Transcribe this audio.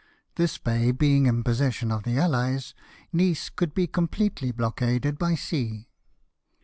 This bay being in possession of the AUies, Nice could be completely blockaded by sea.